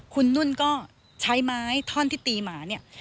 คุณนุ่นก็ใช้ไม้ท่อนที่ตีหมาเนี่ย